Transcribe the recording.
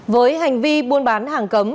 với hành vi buôn bán hàng cấm